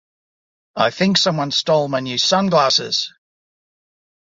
I think someone stole my new sunglassses!